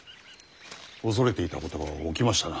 恐れていたことが起きましたな。